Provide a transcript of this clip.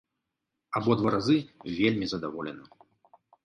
Абодва разы вельмі задаволена!